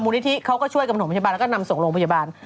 มูลนิธิเขาก็ช่วยกำหนดมจบาลแล้วก็นำส่งลงมจบาล